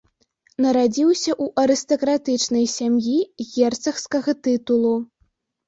Нарадзіўся ў арыстакратычнай сям'і герцагскага тытулу.